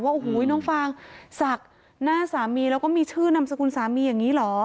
โอ้โหน้องฟางศักดิ์หน้าสามีแล้วก็มีชื่อนามสกุลสามีอย่างนี้เหรอ